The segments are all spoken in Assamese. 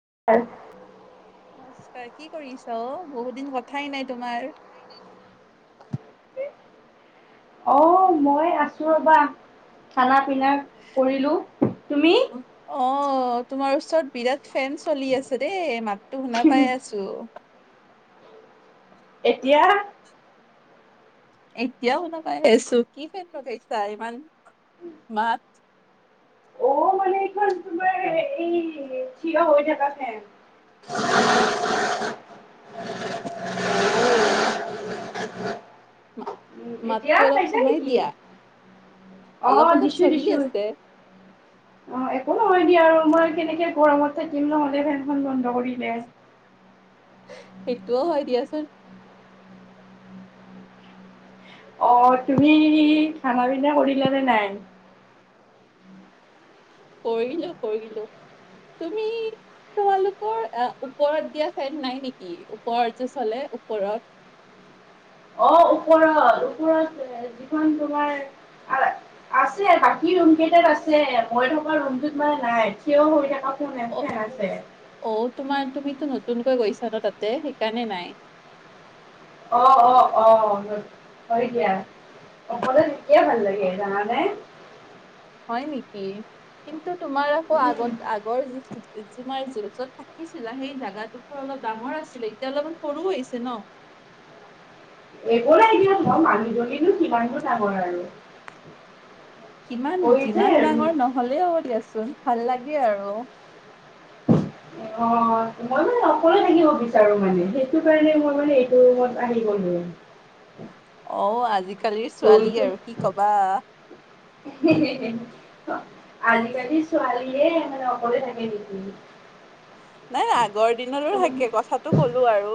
[unintelligible] নমস্কাৰ কি কৰিছ? বহুত দিন কথাই নাই তোমাৰ। অ মই আছো ৰবা থানাত পিনা কৰিলোঁ তুমি? অ তোমাৰ ওচৰত বিৰাট ফেন চলি আছে দেই মাততো শুনা পাই আছো। এতিয়া এতিয়া শুনা পাই আছো কি ফেন লগাইছা ইমান মাত অ মানে এইখন তোমাৰ শব্দ। এই থিয় হৈ থকা ফেন। অ। উম এতিয়া মাতটো অলপ পাইছা কমাই নেকি দিয়া অ অলপ অলপ দিছো চলি দিছো আছে। অ একো নহয় দিয়া আৰু মই কেনেকে গৰমত থাকিম নহ'লে ফেনখন বন্ধ কৰিলে। [unintelligible] সেইটোও হয় দিয়াচোন। অ তুমি খানা পিনা কৰিলানে নাই? কৰিলো কৰিলো, তুমি? তোমালোকৰ ওপৰত দিয়া ফেন নাই নেকি ওপৰত যে চলে ওপৰত অ ওপৰত ওপৰত যিখন তোমাৰ আছে বাকী ৰুম কেইটাত আছে মই থকা ৰুমটোত মানে নাই থিয়ও হৈ থকা কোন একঠেন আছে। টো নতুনকৈ গৈছা ন তাতে সেইকাৰণে নাই। অ অ অ হয় দিয়া। অকলে যেতিয়া ভাল লাগে জানানে। হয় নেকি? কিন্তু তোমাৰ আকৌ উম আগত আগৰ যি তুমাৰ য যত থাকিছিলা সেই জাগাটো অলপ ডাঙৰ আছিলে এতিয়া অলপমান সৰু হৈছে ন। একো নাই দিয়ক মই মানুহজনী কিমাননো ডাঙৰ আৰু। সিমান হৈ যে যিমান ৰুম ডাঙৰ নহলেও দিয়াচোন ভাল লাগে আৰু। অ মই মানে অকলে থাকিব বিচাৰো মানে, সেইটো কাৰণে মই মানে এইটো ৰুমত আহি গলো। উম অ আজিকালিৰ ছোৱালী ৰুমটো আৰু কি কবা। আজিকালি ছোৱালীহে মানে অকলে থাকে নেকি? নাই -নাই আগৰ দিনৰো সেই একে কথাটো কলো আৰু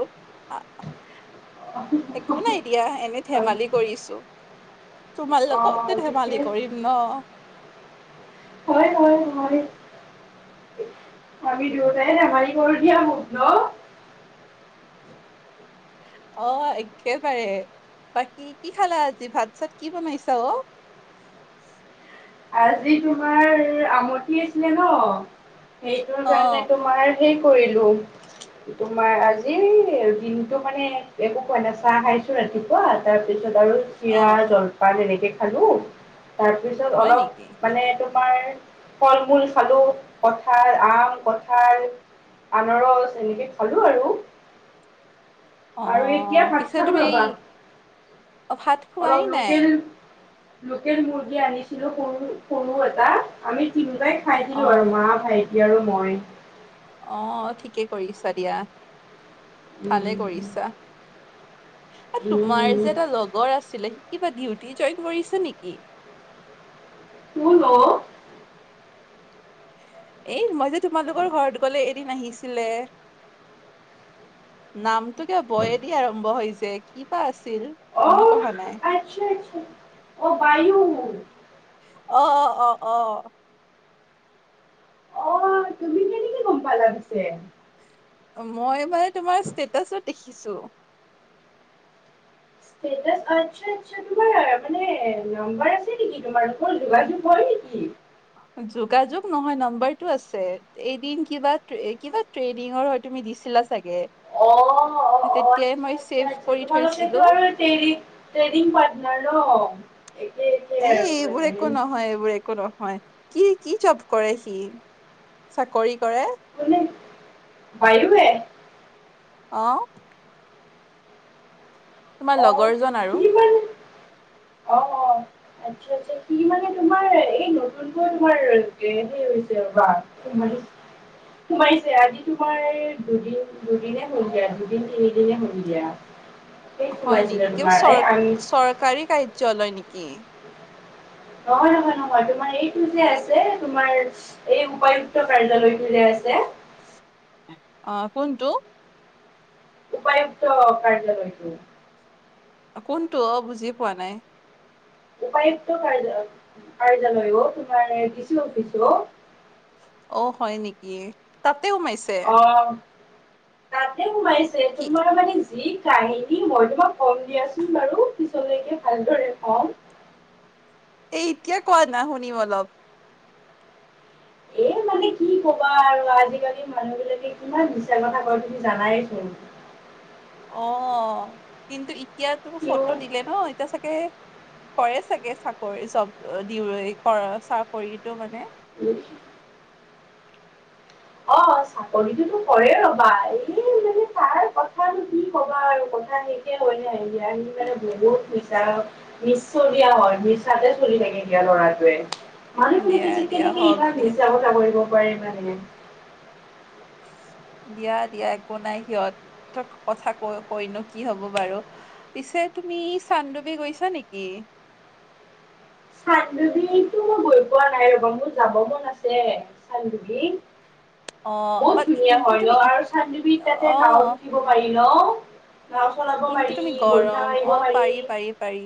[inaudible] একো নাই দিয়া এনে হয় ধেমালি কৰিছো। তোমাৰ অ' লগতে ঠিকে ধেমালি কৰিম ন'? হয়- হয়- হয় [inaudible] আমি দুয়টাই নাভাৰি [unintelligible] অহ, এক্কেবাৰে। বাকী কি খালা আজি ভাত- চাত কি বনাইছা অ? আজি তোমাৰ আমঠি আছিলে ন' সেইটোৰ কাৰণে অ' তোমাৰ হেই কৰিলো তোমাৰ আজি দিনটো মানে একো খোৱা নাই চাহ খাইছো ৰাতিপুৱা তাৰপিছত পিছত আৰু চিৰা অ' -জলপান তেনেকে খালো তাৰপিছত হয় নেকি? অলপ মানে তোমাৰ ফল -মূল খালো কঠাল, আম, কঠাল আনাৰস, এনেকে খালো আৰু। আৰু এতিয়া অ', ভাত পিছে খালো তুমি এই ৰবা অ'ভাত খোৱাই অলপ নাই? লোকেল লোকেল মুৰ্গী আনিছিলো সৰু- সৰু এটা আমি তিনতাই খাই দিলো আৰু মা, ভাইটি আৰু মই। অহ, ঠিকে কৰিছা দিয়া। উম -উম এ উম তোমাৰ উম যে এটা লগৰ আছিলে কিবা ডিউটি জইন কৰিছে নেকি? কোন অ? এ মই যে তোমালোকৰ ঘৰত গ'লে এদিন আহিছিলে নামটোকে ব য়েদি আৰম্ভ হয়যে কি বা অহ, আচ্ছা -আচ্ছা অহ বায়ু অ', - অ', -অ', - অ', অহ, তুমি কেনেকে গম পালা পিছে? মই মানে তোমাৰ ষ্টেটাচত দেখিছো। ষ্টেটাছ আচ্ছা- আচ্ছা তোমাৰ মানে নাম্বাৰ আছে নেকি তোমালোকৰ যোগাযোগ হয় নেকি? যোগাযোগ নহয় নাম্বাৰটো আছে এদিন কিবা- কিবা ট্ৰেইনিং তুমি দিছিলা চাগে? অ', - অ', অহ, তেতিয়াই আচ্ছা মই -আচ্ছা ছেভ -আচ্ছা কৰি থৈছিলো তোমালোকেতো আৰু ট্ৰেৰি ট্ৰেনিং পাটনাৰ ন'। একে একে এই আৰু এইবোৰ মানে একো নহয় -এইবোৰ একো নহয়। কি -কি জব কৰে সি চাকৰি কৰে? কোনে বায়ুয়ে? আহ তোমাৰ অ' লগৰ জন সি আৰু মানে অ অ আচ্ছা আচ্ছা সি মানে তোমাৰ এই নতুনকৈ তোমাৰ হেৰি [unintelligible] সোমাইছে আজি তোমাৰ দুদিন দুদিনে সন্ধিয়া দুদিন তিনিদিনে সন্ধিয়া হয় নেকি কিবা চৰ চৰকাৰী কাৰ্যালয় নেকি? নহয় নহয় নহয় তোমাৰ এইটো যে আছে তোমাৰ এই উপায়ুক্ত কাৰ্যালয়টো যে আছে আছে। অ কোনটো উপায়ুক্ত কাৰ্য্যালয় কোনটো অঁ বুজি পোৱা নাই। উপায়ুক্ত কাৰ কাৰ্যালয়ো তোমাৰ ডি চি অফিচো অঁ হয় নেকি তাতে সমাইছে তাতেতে সোমাইছে তোমাৰ মানে যি কাহিনী মই তোমাক কম দিয়াচোন বাৰু পিছলৈকে ভালদৰে কম এই এতিয়া কোৱা না শুনিম অলপ এ মানে কি ক'বা আৰু আজিকালি মানুহ বিলাকৈটে কিমান মিছাৰ কথা কয় তুমি জানাই চোন [unintelligible] অঁ কিন্তু এতিয়াতো সিও ফটো দিলে ন এতিয়া চাগে কৰে চাগে চাকৰি জব অ দিওঁ এ কৰ চাকৰিতটো মানে উম অঁ চাকৰিটোতো কৰে ৰ'বা এই মানে তাৰ কথানো কি কবা আৰু কথা সেইটোৱে হয় দিয়া ইয়া ই মানে বহুত নিচ্চ দিয়া হয় নিচাতে চলি থাকে দিয়া লৰাটোৱে মানুহখনে দিয়া পিছে দিয়া কেনেকে হওক ইমান দিয়া মিছা কথা কৰিব পাৰে মানে [unintelligible] দিয়া দিয়া একো নাই সিহঁত কথা কৈ কৈনো কি হব বাৰু পিছে তুমি চান্দুবি গৈছা নেকি [unintelligible] চানডুবিটো গৈ পোৱা নাই ৰবা মোৰ যাব মন আছে চানডুবি অ বহুত বা ধুনীয়া কিন্তু হয় তুমি ন ই- আৰু চানদুবিত তাতে অ নাৱত উঠিব পাৰি ন নাও চলাব কিন্তু পাৰি তুমি বৰিষা গৰম মাৰিব অ পাৰি পাৰি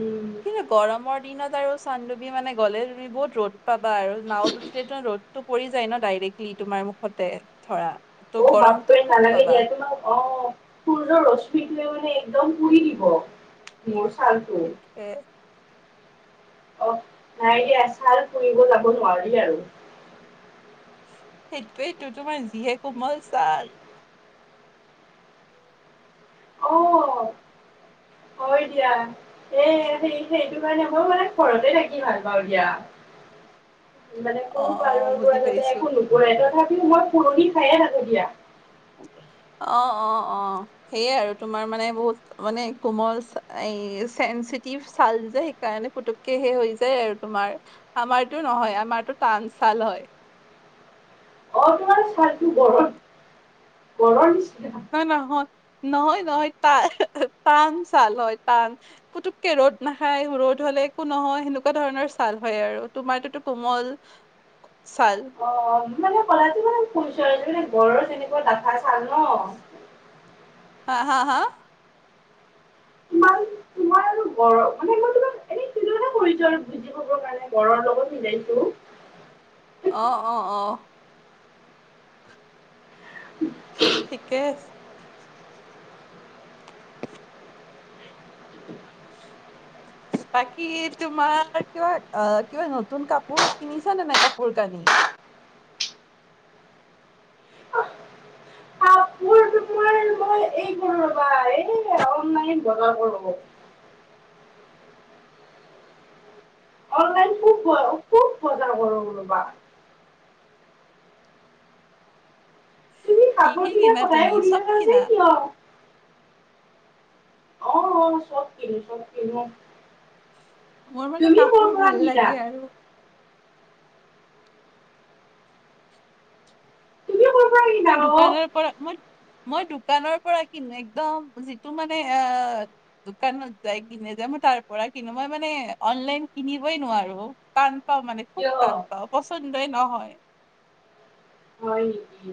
উম কিন্তু গৰমৰ দিনত আৰু চান্দুবি মানে গ'লে তুমি বহুত ৰ'দ পা বা আৰু নাৱত উঠিলে তো ৰ'দটো পৰি যায় ন ডাইৰেক্টলি তোমাৰ মুখতে ধৰা ত' অঁ গৰমটো বাবৰে খুব নালাগে পাবা দিয়া তোমাক অঁ। সূৰ্যৰ ৰ ৰশ্মিটোৱে মানে একদম পুৰি দিব মোৰ সেইটোৱে অহ নাই দিয়া চাল ফুৰিব যাব নোৱাৰি আৰু সেইটোয়েইটো তোমাৰ যিহে কোমল চাল অ হয় দিয়া এ সেই সেইটো কাৰণে মই মানে ঘৰতে থাকি ভাল পাওঁ দিয়া [unintelligible] মানে অ কোনো অ পালৰ বুজি পৰা যাতে একো নোকৰে পাইছো তথাপিও মই পুৰণি খাইয়ে থাকো দিয়া [unintelligible] অঁ অঁ অঁ সেইয়াই আৰু তোমাৰ মানে বহুত মানে কোমল চা এ চেন চিতিভ ছাল যে সেইকাৰণে পুতুককে সে হৈ যায় আৰু তোমাৰ আমাৰতটো নহয় আমাৰটো টান চাল হয় অ তোমাৰ ছালটো বহুত গৰৰ নিছ না নহয় নহয় নহয় টান টান চাল হয় টান পুতুককে ৰ'দ নাখায় ৰ'দ হলে একো নহয় সেনেকুৱা ধৰণৰ ছাল হয় আৰু তোমাৰতুটো কোমল উ [unintelligible] ছাল অ মানে পলাইতি মানে সৰু ছোৱালী জনী গড়ৰ যেনেকুৱা ডাফা চাল ন হা হা হা তোমাৰ তোমাৰ আৰু গৰম মানে মই তোমাক এনেই তুলনা কৰিছো আৰু বুজি পাবৰ কাৰণে গড়ৰ লগত মিলাইছো অ অ অ ঠিকে আছে [unintelligible] বাকী তোমাৰ কিবা অ কিবা নতুন কাপোৰ কিনিছ নে নাই কাপোৰ কানি? [unintelligible] কাপোৰ তোমাৰ নাই বজাৰ কৰব গল অনলাইন খুব ব- খুব বজাৰ কৰো ৰ'বা। তুমি কি- কাপোৰ কি কিনা সদায় তুমি সুধি চব থাকা যে কিনা? কিয়? অহ, চব কিনো -চব কিনো মই। মোৰ মানে কাপোৰ ভাল লাগে আৰু তুমি ক'ৰ পৰা কিনা মই অ'? দোকানৰ পৰা মই মই দোকানৰ পৰা কিনো একদম যিটো মানে অ'দোকানত যাই কিনে যে মই তাৰ পৰা কিনো মই মানে অনলাইন কিনিবই নোৱাৰো টা টান পাওঁ মানে খুব কিয়? টান পাও পচন্দই নহয়। হয় নেকি,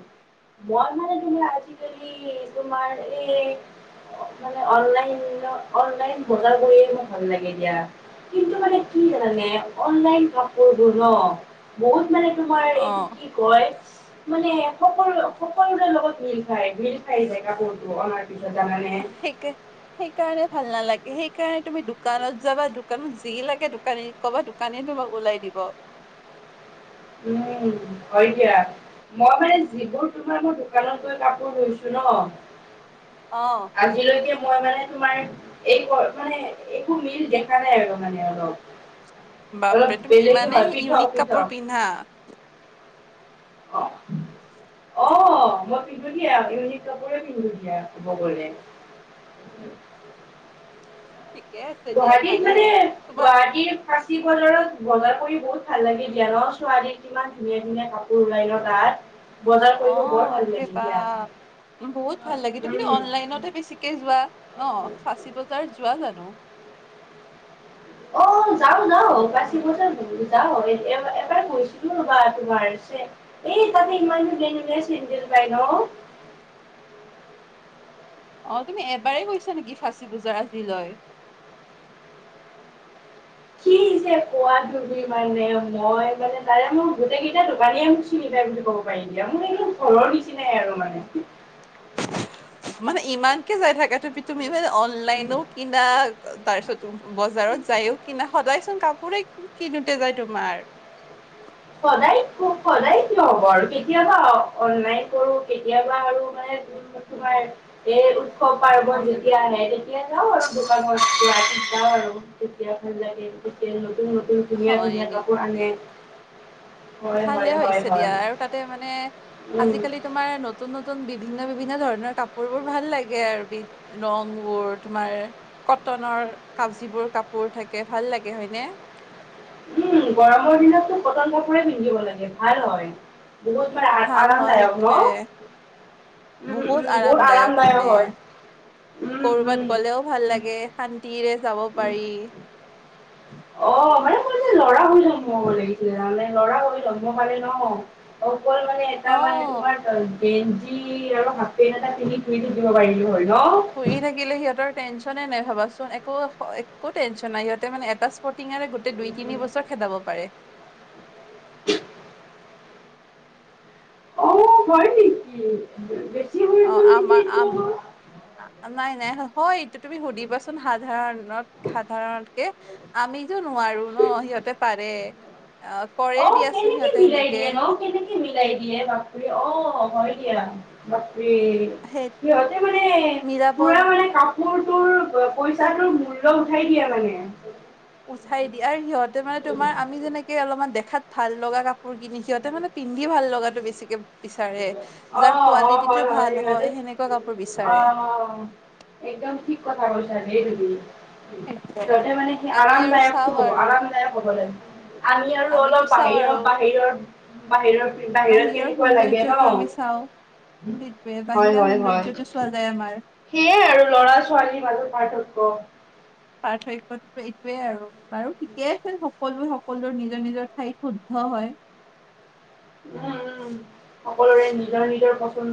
মই মানে তোমাৰ আজিকালি তোমাৰ এই মানে অনলাইন- অনলাইন বজাৰ কৰিয়ে মোৰ ভাল লাগে দিয়া। কিন্তু মানে কি জানানে অনলাইন কাপোৰবোৰ ন' বহুত মানে তোমাৰ অ এইটো কি কয় মানে সকলো- সকলোৰে লগত মিল খায় মিল খায় যাই কাপোৰটো অনাৰ পিছত জানানে? সেইকে সেইকাৰণে ভাল নালাগে সেইকাৰণে তুমি দোকানত যাবা দোকানত যি লাগে দোকানীক ক'বা দোকানে তোমাক ওলাই দিব। ব উম, হয় দিয়া। মই মানে যিবোৰ তোমাৰ মোৰ দোকানত গৈ কাপোৰ লইছো অ ন' আজিলৈকে মই মানে তোমাৰ এই মানে একো মিল দেখা নাই আৰু মানে অলপ। অলপ বাপৰে তুমি বেলেগ ইমানেই হয় ইউনিক কাপোৰ পৃথক-পৃথক। পিন্ধা অহ অহ, মই পিন্ধো দিয়া ইউনিক কাপোৰে পিন্ধো দিয়া ক'ব গ'লে। উম ঠিকে আছে দিয়া গুৱাহাটীত ভালে মানে তোমাৰ গুৱাহাটীৰ ফাঁচী বজাৰত বজাৰ কৰি বহুত ভাল লাগে দিয়া ন' ছোৱালীৰ কিমান ধুনীয়া -ধুনীয়া কাপোৰ ওলাই ন ' তাত বজাৰ কৰিব অ', বৰ ভাল বাপৰে লাগে দিয়া। বাপ। বহুত ভাল লাগে তুমিতো উম। অনলাইনতে বেছিকে যোৱা। ন'ফাঁচী বজাৰ যোৱা জানো? অহ, যাওঁ -যাওঁ পাঁচি বজাত যাওঁ এবাৰ গৈছিলো ৰবা তোমাৰ ছে এই তাতে ইমানটো [unintelligible] পাই ন '? অহ, তুমি এবাৰেই গৈছা নেকি ফাঁচী বজাৰ আজিলৈ? কি যে কোৱা তুমি মানে মই মানে তাৰে মোৰ গোটেই কেইটা দোকানীয়ে মোক চিনি পায় বুলি কব পাৰি দিয়া মোৰ এনে ঘৰৰ নিচিনাই আৰু মানে। মানে ইমানকে যাই থাকা তুপি তুমি? অনলাইনো কিনা তাৰ পিছত বজাৰত যায়ও কিনা সদায় চোন কাপোৰে কিন কিনোতে যায় তোমাৰ সদায়- সদায় কিয় হব আৰু কেতিয়াবা অনলাইন কৰো কেতিয়াবা আৰু মানে তোমাৰ এই উৎসৱ পাৰ্বন যেতিয়া আহে তেতিয়া যাওঁ আৰু দোকানত যাওঁ যাও আৰু তেতিয়া ভাল লাগে তেতিয়া নতুন- নতুন ধুনীয়া- হয় ধুনীয়া কাপোৰ নেকি? আনে। হয় ভালে হয় হয় হৈছে হয় দিয়া আৰু তাতে মানে উম আজিকালি তোমাৰ নতুন - নতুন একদম বিভিন্ন-বিভিন্ন ধৰণৰ কাপোৰ বোৰ ভাল লাগে আৰু বিধ ৰং বোৰ তোমাৰ কত কতনৰ কা যিবোৰ কাপোৰ থাকে ভাল লাগে হয়নে? উম, গৰমৰ দিনতটো কটন কাপোৰে পিন্ধিব লাগে ভাল হয়। বহুত ভাল হয় আৰামদায়ক সেইটোৱে ন'? উম -উম বহুত আৰামদায়ক হয়। উম কৰবাত গ'লেও ভাল লাগে শান্তিৰে যাব উম, পাৰি অহ মানে ল'ৰা হৈ জন্ম হব লাগিছিল জানানে লৰা হৈ জন্ম পালে ন' গল মানে এটা অ মানে তোমাৰ গেঞ্জি আৰু হাফপেণ্ট এটা পিনহি ঘূৰি থাকিব পাৰিলো হয় ন। ঘূৰি থাকিলে সিহঁতৰ টেনচনে নাই ভাবাচোন একো একো টেনচন নাই সিহঁতে মানে এটা স্প টিঙেৰে গোটেই দুই তিনি বছৰ খেদাব পাৰে অ হয় নেকি বেছি হৈ অ গ'ল আম নেকি এইটো অলপ আমাৰ নাই নাই হয় তুমি সুধিবাচোন সাধাৰণ সাধাৰণকে আমি যো নোৱাৰো ন সিহঁতে পাৰে আ অ কৰে দিয়াচোন কেনেকে সিহঁতে মিলাই এনেকে দিয়ে ন কেনেকে মিলাই দিয়ে বাপৰে অ হয় দিয়া বাপৰে সেই সিহঁতে মানে মিলাব পুৰা মানে কাপ মোৰ তোৰ পইচা তোৰ মূল্য উঠাই দিয়ে মানে উঠাই দি আৰু সিহঁতে মানে তোমাৰ আমি যেনেকে অলপমান দেখ খাত ভাল লগা কাপোৰ কিনি সিহঁতে মানে পিন্ধি ভাল লগাটো বেছিকে বিচাৰে অ যাৰ অ হয় কোৱালিটিটো ভাল সিহঁতে হয় সেনেকোৱা কাপোৰ অ বিচাৰে একদম ঠিক কথা কৈছা দেই তুমি সেইটোৱে সিহঁতে মানে সেই আমি আৰাম আৰু দায়কটো চাওঁ হব আৰু আৰাম দায়ক হ'ব লাগিব আমি আৰু অলপ আমিতো চাওঁ আৰু বাহিৰৰ বাহিৰৰ বাহিৰৰ বাহিৰত বাহিৰৰ কেনেকোৱা লাগে ন সৌন্দৰ্যটো আমি চাওঁ সেইটোৱে হয় বাহিৰা হয় সৌন্দৰ্যটো চোৱা যায় আমাৰ সেয়াই আৰু ল'ৰা ছোৱালীৰ মাজত পাৰ্থক্য পাৰ্থক্যটোতো এইটোয়ে আৰু বাৰু ঠিকেই আছে সকলোৱে সকলো নিজৰ নিজৰ ঠাইত শুদ্ধ হয় উম উম সকলোৰে নিজৰ নিজৰ পচন্দ